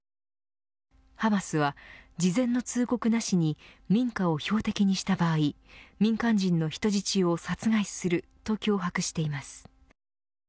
ハマスは、事前の通告なしに民家を標的にした場合民間人の人質を殺害すると脅迫しています。